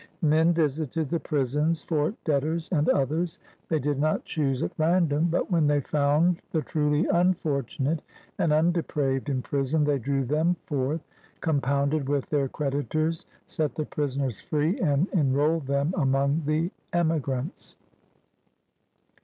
Men visited the prisons for debtors and others. They did not choose at random, but when they foimd the truly imfortunate and un depraved in prison they drew. them forth, com pounded with their creditors, set the prisoners free, and enrolled them amohg the emigrants.